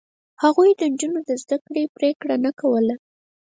هغوی د نجونو د زده کړو پرېکړه نه کوله.